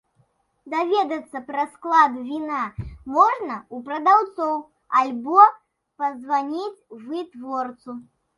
Даведацца пра склад віна можна у прадаўцоў, альбо пазваніць вытворцу.